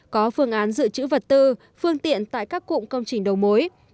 có phương án dự trữ vật tư phương tiện tại các cụm công trình đầu mối